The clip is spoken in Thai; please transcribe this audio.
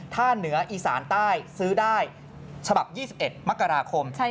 ถ้าเหนืออีสานใต้ซื้อได้ฉบับ๒๑มกราคม